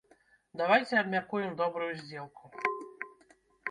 Давайце абмяркуем добрую здзелку!